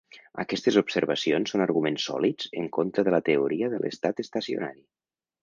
Aquestes observacions són arguments sòlids en contra de la teoria de l'estat estacionari.